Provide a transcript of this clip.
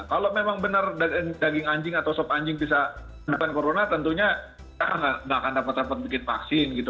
kalau memang benar daging anjing atau sop anjing bisa mengurangi corona tentunya tidak akan dapat dapat bikin vaksin gitu